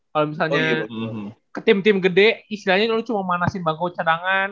kalau misalnya ke tim tim gede istilahnya lo cuma manasin bangkau cadangan